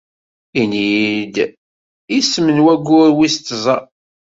Ini-iyi-d isem n wayyur wis tẓa.